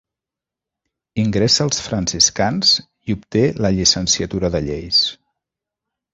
Ingressa als franciscans i obté la llicenciatura de lleis.